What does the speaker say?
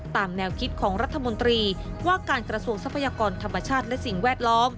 ตามแนวคิดของรัฐมนตรีว่าการกระทรวงทรัพยากรธรรมชาติและสิ่งแวดล้อม